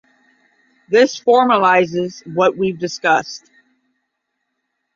This formalises what we've discussed